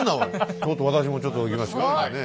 ちょっと私もちょっといきましょうかね。